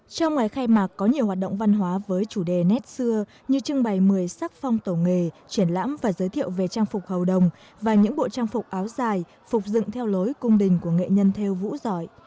trong ngày khai mạc có nhiều hoạt động văn hóa với chủ đề nét xưa như trưng bày một mươi sắc phong tổ nghề triển lãm và giới thiệu về trang phục hầu đồng và những bộ trang phục áo dài phục dựng theo lối cung đình của nghệ nhân theo vũ giỏi